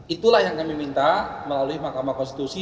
itulah yang kami minta melalui mahkamah konstitusi